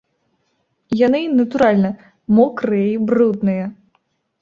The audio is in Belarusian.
Яны, натуральна, мокрыя і брудныя.